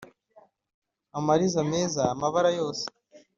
amariza meza amabara yose